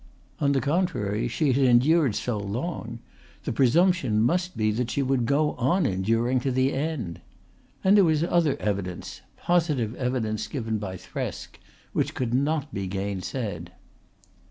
On the contrary she had endured so long, the presumption must be that she would go on enduring to the end. And there was other evidence positive evidence given by Thresk which could not be gainsaid.